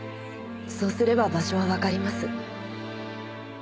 そうすれば場所はわかります。